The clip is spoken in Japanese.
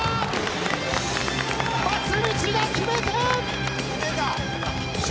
松道が決めて笑